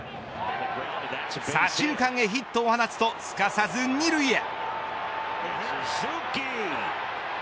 左中間へヒットを放つとすかさず２塁へ。